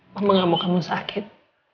mama gak mau kamu sakit